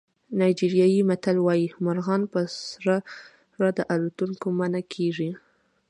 نایجریایي متل وایي مرغان په سر د الوتلو منع نه کېږي.